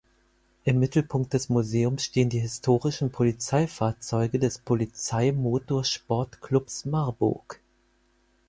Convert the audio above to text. Im Mittelpunkt des Museums stehen die historischen Polizeifahrzeuge des Polizei-Motorsport-Clubs Marburg.